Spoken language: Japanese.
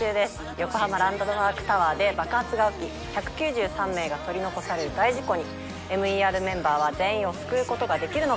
横浜・ランドマークタワーで爆発が起き１９３名が取り残される大事故にＭＥＲメンバーは全員を救うことができるのか？